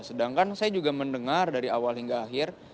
sedangkan saya juga mendengar dari awal hingga akhir